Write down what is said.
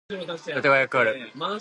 歌声が聞こえる。